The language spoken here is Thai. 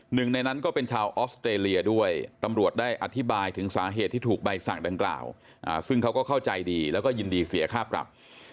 หนึ่งในนั้นก็เป็นชาวออสเตรเลียด้วยตำรวจได้อธิบายถึงสาเหตุที่ถูกใบสั่งดังกล่าวซึ่งเขาก็เข้าใจดีแล้วก็ยินดีเสียค่าปรับ